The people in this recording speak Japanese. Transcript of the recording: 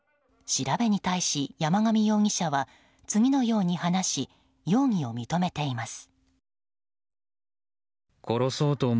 調べに対し、山上容疑者は次のように話し容疑を認めています。